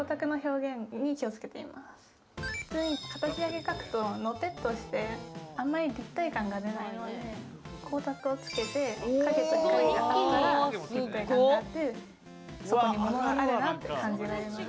普通に形だけ描くとのぺっとしてあんまり立体感が出ないので光沢をつけて、陰と光があったら立体感があってそこに物があるなって感じられるので。